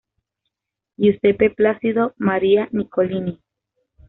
Giuseppe Placido Maria Nicolini.